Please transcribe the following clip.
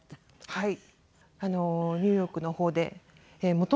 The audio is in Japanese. はい。